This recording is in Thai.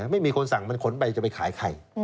ไม่มีคนสั่งมันขนไปจะไปขายใคร